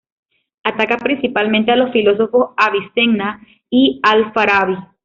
Ataca principalmente a los filósofos Avicena y Al-Farabi.